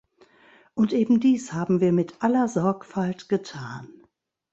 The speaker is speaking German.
Und eben dies haben wir mit aller Sorgfalt getan.